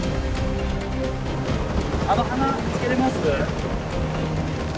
あの鼻つけれます？